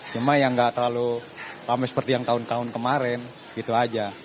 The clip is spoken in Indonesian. cuma yang nggak terlalu rame seperti yang tahun tahun kemarin gitu aja